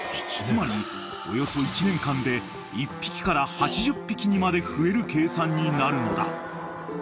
［つまりおよそ１年間で１匹から８０匹にまで増える計算になるのだ］